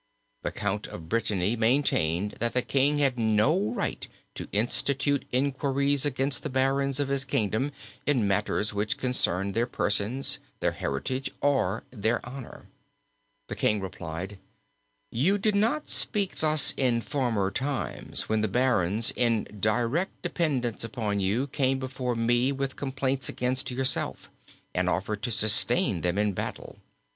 The Count of Brittany maintained that the king had no right to institute inquiries against the barons of his kingdom in matters which concerned their persons, their heritage or their honour. The king replied, 'You did not speak thus in former times when the barons in direct dependence upon you came before me with complaints against yourself, and offered to sustain them in battle.